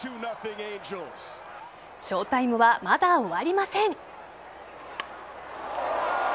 ショウタイムはまだ終わりません。